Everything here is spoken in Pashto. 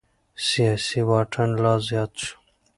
سياسي واټن لا زيات شو.